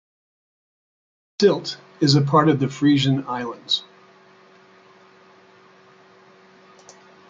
Sylt is a part of the Frisian Islands.